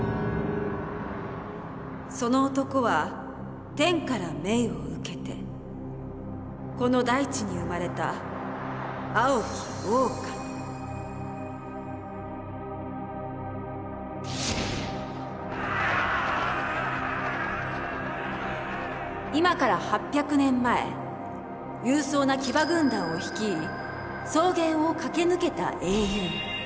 その男は天から命を受けてこの大地に生まれた今から８００年前勇壮な騎馬軍団を率い草原を駆け抜けた英雄。